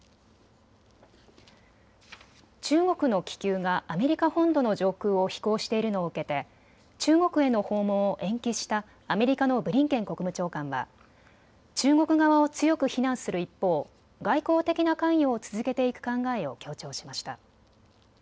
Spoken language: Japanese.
中国の気球がアメリカ本土の上空を飛行しているのを受けて中国への訪問を延期したアメリカのブリンケン国務長官は中国側を強く非難する一方、外交的な関与を続けていく考えを強調しました。